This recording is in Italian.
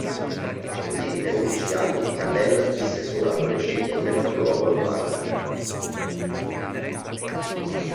E così per undici anni Cannelle visse sola con le figlie nel capoluogo lombardo.